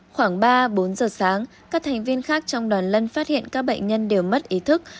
khoảng ba bốn giờ sáng các thành viên khác trong đoàn lân phát hiện các bệnh nhân đều mất ý thức